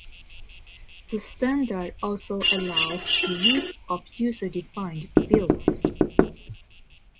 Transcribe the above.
The standard also allows the use of user-defined fields.